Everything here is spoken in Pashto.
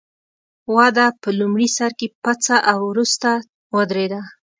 وده په لومړي سر کې پڅه او وروسته ودرېده.